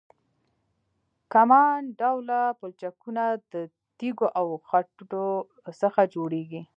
کمان ډوله پلچکونه د تیږو او خښتو څخه جوړیږي